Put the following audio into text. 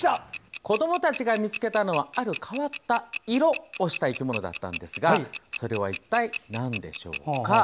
子どもたちが見つけたのはある変わった色をした生き物だったんですがそれは一体なんでしょうか？